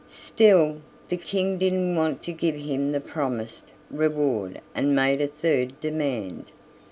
Still the King didn't want to give him the promised reward and made a third demand.